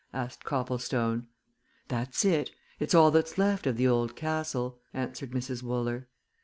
asked Copplestone. "That's it it's all that's left of the old castle," answered Mrs. Wooler.